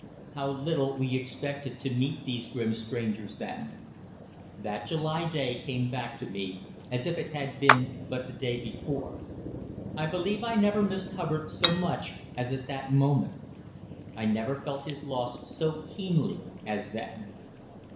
How little we expected to meet these grim strangers then. That July day came back to me as if it had been but the day before. I believe I never missed Hubbard so much as at that moment. I never felt his loss so keenly as then.